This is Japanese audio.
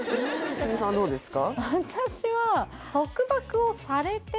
鷲見さんはどうですか？